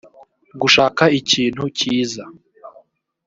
gushaka ikintu kiza